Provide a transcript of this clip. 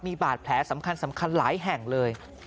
มีบาดแผลสำคัญหลายแห่งเลย